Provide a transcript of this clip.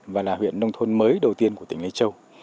và là huyện nông thôn mới đầu tiên của tỉnh lây châu